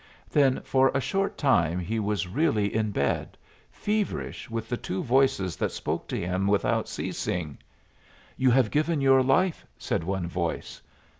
Then for a short time he was really in bed, feverish with the two voices that spoke to him without ceasing. "You have given your life," said one voice.